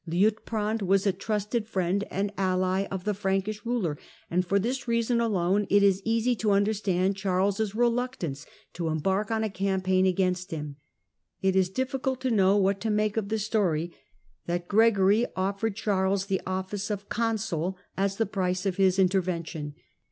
Liutprand was trusted friend and ally of the Frankish ruler, and for his reason alone it is easy to understand Charles' eluctance to embark on a campaign against him. It difficult to know what to make of the story that xregory offered Charles the office of consul as the >rice of his intervention.